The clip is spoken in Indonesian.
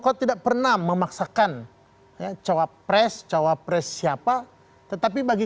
jalanan kerja di negara negara mereka yang kraal dan itu juga